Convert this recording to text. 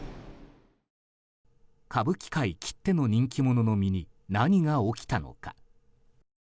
歌舞伎界きっての人気者の身に何が起きたのか。